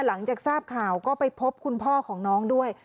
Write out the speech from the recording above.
หลังจากทราบข่าวก็ไปพบคุณพ่อของน้องด้วย